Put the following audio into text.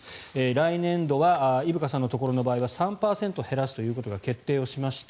来年度は伊深さんのところの場合は３％減らすということが決定しました。